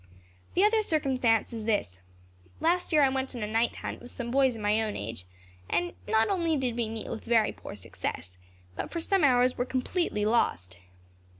"The other circumstance is this: Last year I went on a night hunt, with some boys of my own age; and not only did we meet with very poor success, but for some hours were completely lost.